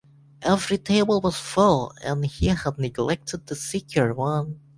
Every table was full, and he had neglected to secure one.